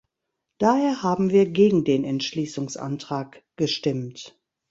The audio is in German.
Daher haben wir gegen den Entschließungsantrag gestimmt.